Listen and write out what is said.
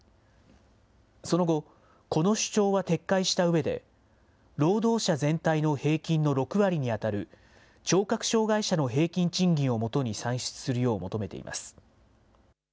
その後、この主張は撤回したうえで、労働者全体の平均の６割に当たる聴覚障害者の平均賃金をもとに算出するよう求めています。